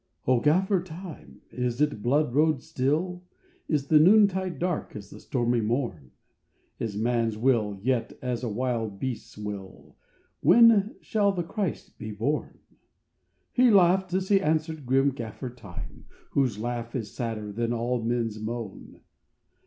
" O Gaffer Time, is it blood road still? Is the noontide dark as the stormy morn? Is man s will yet as a wild beast s will? When shall the Christ be born? " He laughed as he answered, grim Gaffer Time, Whose laugh is sadder than all men s moan.